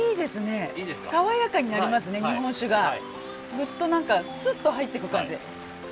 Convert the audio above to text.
あっ何かすっと入っていく感じ。